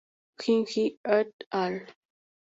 Qing He et al.